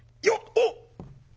「おっ。